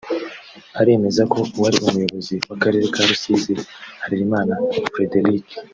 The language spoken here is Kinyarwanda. aremeza ko uwari umuyobozi w’akarere ka Rusizi Harerimana Frederic